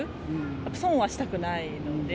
損はしたくないので。